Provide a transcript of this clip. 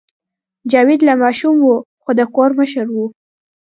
جاوید لا ماشوم و خو د کور مشر و